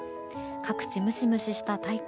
各地、ムシムシした体感。